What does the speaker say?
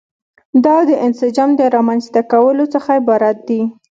دا د انسجام د رامنځته کولو څخه عبارت دي.